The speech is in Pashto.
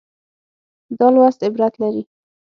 دا لوست عبرت لري.